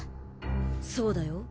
そうだよ